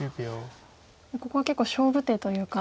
ここは結構勝負手というか。